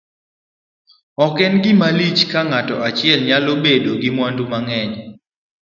ok en gima lich ni ng'ato achiel nyalo bedo gi mwandu mang'eny